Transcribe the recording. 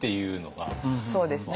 そうですね。